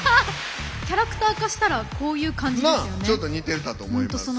キャラクター化したらこういう感じですよね。